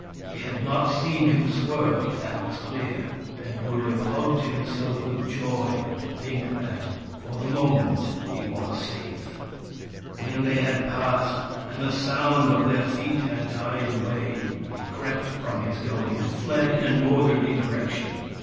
They had not seen him swerve— that was clear ; and Wurip hugged himself with joy to think that for the moment he was safe. When they had passed, and the sound of their feet had died away, he crept from his gully and fled in a northerly direction.